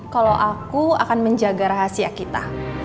kalau aku akan menjaga rahasia kita